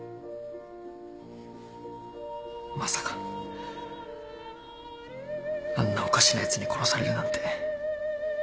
まさかあんなおかしなやつに殺されるなんて。